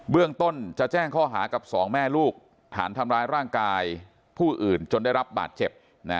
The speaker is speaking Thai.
เรื่องต้นจะแจ้งข้อหากับสองแม่ลูกฐานทำร้ายร่างกายผู้อื่นจนได้รับบาดเจ็บ